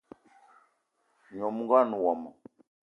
Nyom ngón wmo